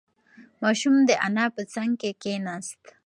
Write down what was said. ماشوم د انا په څنگ کې کېناست.